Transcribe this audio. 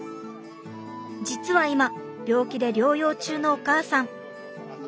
実は今病気で療養中のお母さん。